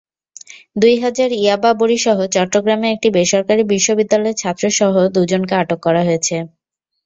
দুই হাজার ইয়াবা বড়িসহ চট্টগ্রামে একটি বেসরকারি বিশ্ববিদ্যালয়ের ছাত্রসহ দুজনকে আটক করা হয়েছে।